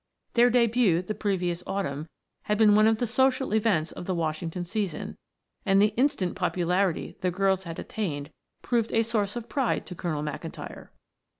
Their debut the previous autumn had been one of the social events of the Washington season, and the instant popularity the girls had attained proved a source of pride to Colonel McIntyre.